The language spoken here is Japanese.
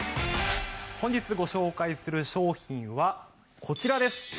本日ご紹介する商品はこちらです。